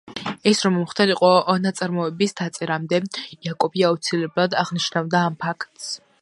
ეს რომ მომხდარიყო ნაწარმოების დაწერამდე, იაკობი აუცილებლად აღნიშნავდა ამ ფაქტს.